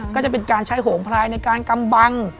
ก็จะเป็นการใช้โหงพลายในการกำบัง